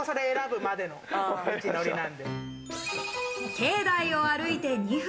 境内を歩いて２分。